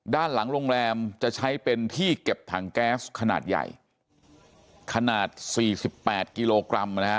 ด้านหลังโรงแรมจะใช้เป็นที่เก็บถังแก๊สขนาดใหญ่ขนาดสี่สิบแปดกิโลกรัมนะฮะ